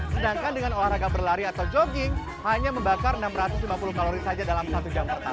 sedangkan dengan olahraga berlari atau jogging hanya membakar enam ratus lima puluh kalori saja dalam satu jam pertama